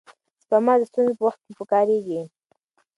سپما د ستونزو په وخت کې پکارېږي.